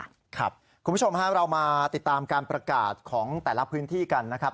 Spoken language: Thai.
คุณผู้ชมฮะเรามาติดตามการประกาศของแต่ละพื้นที่กันนะครับ